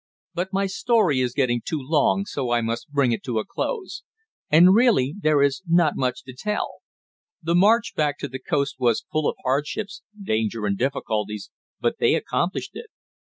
But my story is getting too long, so I must bring it to a close. And really there is not much to tell. The march back to the coast was full of hardships, danger and difficulties, but they accomplished it.